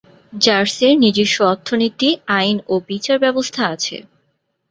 জার্সির নিজস্ব অর্থনীতি, আইন ও বিচার ব্যবস্থা আছে।